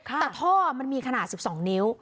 แต่ท่อมันมีขนาด๑๒นิ้ว